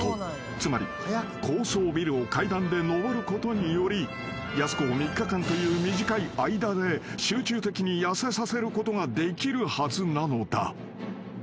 ［つまり高層ビルを階段で上ることによりやす子を３日間という短い間で集中的に痩せさせることができるはずなのだ］